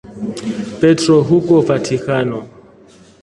Petro huko Vatikano.